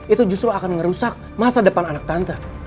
itu justru akan merusak masa depan anak tante